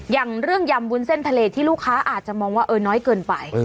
อย่างเรื่องยำวุ้นเส้นทะเลที่ลูกค้าอาจจะมองว่าน้อยเกินไป